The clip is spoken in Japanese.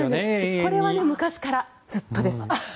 これは昔からずっとです。